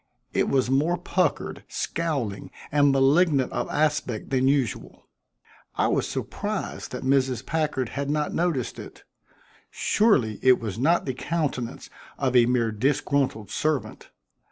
It was more puckered, scowling and malignant of aspect than usual. I was surprised that Mrs. Packard had not noticed it. Surely it was not the countenance of a mere disgruntled servant.